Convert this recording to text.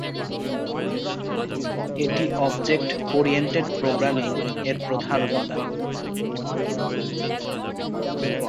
এটি object oriented programming -এর প্রধান উপাদান।